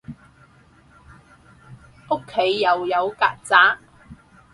屋企又有曱甴